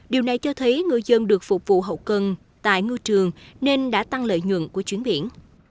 điều này cho thấy ngư dân được phục vụ hậu cần tại ngư trường nên đã tăng lợi nhuận của chuyến biển